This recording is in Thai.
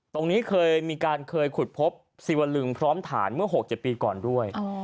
ตรงนี้เคยมีการเคยขุดพบศิวลึงพร้อมฐานเมื่อ๖๗ปีก่อนด้วย